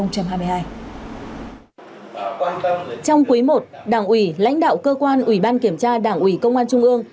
trong quý i đảng ủy lãnh đạo cơ quan ủy ban kiểm tra đảng ủy công an trung ương